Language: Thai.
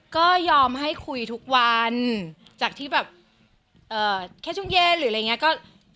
ก็ยอมให้คุยทุกวันจากที่แบบแค่ช่วงเย็นหรืออะไรอย่างนี้ก็